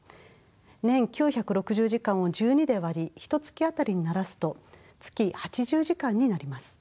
年９６０時間を１２で割りひとつき当たりにならすと月８０時間になります。